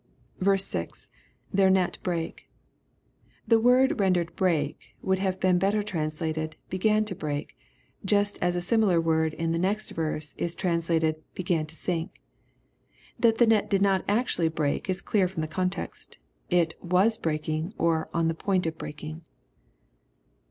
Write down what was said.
6. — [Their net Irake.] The word rendered "brake" would have been better translated, " began to break," just as a similar word in the next verse is translated, " began to sink." That the net did not actually break, is clear from the context It " was breaking," or "on the point of breaking."